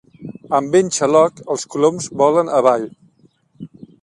Amb vent xaloc els coloms volen avall.